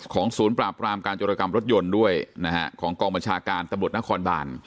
ศูนย์ปราบรามการจรกรรมรถยนต์ด้วยนะฮะของกองบัญชาการตำรวจนครบาน